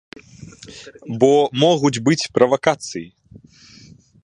Бо могуць быць правакацыі.